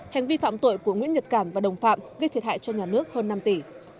hành vi phạm tội của nguyễn nhật cảm và đồng phạm gây thiệt hại cho nhà nước hơn năm tỷ